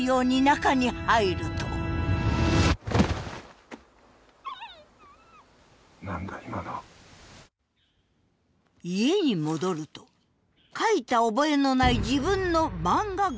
家に戻ると描いた覚えのない自分の漫画原稿が。